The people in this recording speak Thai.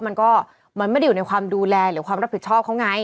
มันก็มันไม่ได้อยู่ในความดูแลหรือความรับผิดชอบเขาไง